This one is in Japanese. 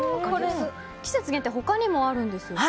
季節限定は他にもあるんですよね。